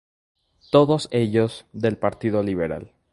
Todos ellos del Partido Liberal.